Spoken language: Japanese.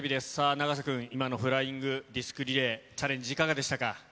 永瀬君、今のフライングディスクリレー、チャレンジいかがでしたか。